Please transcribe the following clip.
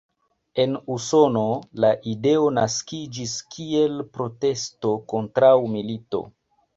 En Usono la ideo naskiĝis kiel protesto kontraŭ milito.